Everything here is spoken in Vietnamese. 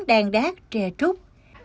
đan đác tre trúc